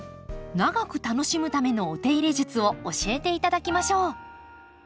長く楽しむためのお手入れ術を教えて頂きましょう。